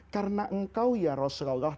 karena engkau ya rasulullah